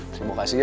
terima kasih ya